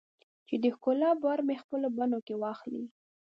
چې د ښکلا بار مې خپلو بڼو کې واخلې